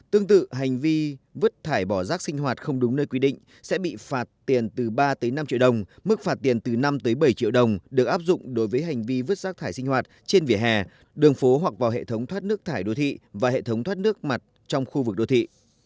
tương tự hành vi vứt thải bỏ rác sinh hoạt không đúng nơi quy định sẽ bị phạt tiền từ ba năm triệu đồng mức phạt tiền từ năm tới bảy triệu đồng được áp dụng đối với hành vi vứt rác thải sinh hoạt trên vỉa hè đường phố hoặc vào hệ thống thoát nước thải đô thị và hệ thống thoát nước mặt trong khu vực đô thị